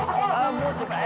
もうちょっと前。